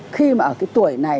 khi mà ở cái tuổi này